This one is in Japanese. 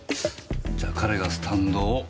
じゃ彼がスタンドを。